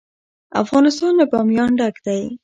افغانستان له بامیان ډک دی.